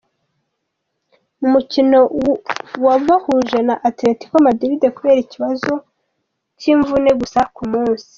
mu mukino wabahuje na Athletico Madrid kubera ikibazo cyinvune, gusa kumunsi.